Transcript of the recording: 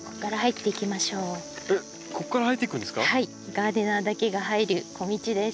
ガーデナーだけが入る小道です。